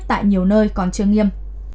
tại nhiều nơi còn chưa nghiêm